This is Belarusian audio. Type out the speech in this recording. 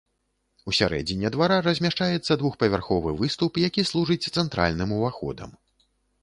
Усярэдзіне двара размяшчаецца двухпавярховы выступ, які служыць цэнтральным уваходам.